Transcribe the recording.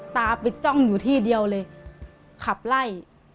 ตาไปจ้องอยู่ที่เดียวเลยขับไล่